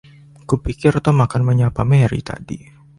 Ku pikir Tom akan menyapa Mary tadi.